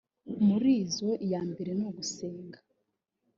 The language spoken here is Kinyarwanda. muri zo iya mbere ni ugusenga